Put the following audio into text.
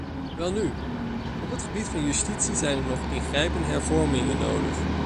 Welnu, op het gebied van justitie zijn er nog ingrijpende hervormingen nodig.